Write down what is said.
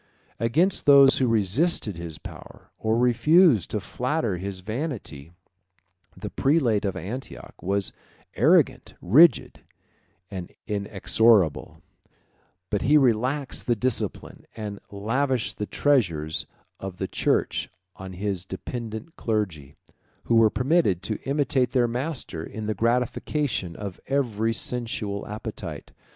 Against those who resisted his power, or refused to flatter his vanity, the prelate of Antioch was arrogant, rigid, and inexorable; but he relaxed the discipline, and lavished the treasures of the church on his dependent clergy, who were permitted to imitate their master in the gratification of every sensual appetite.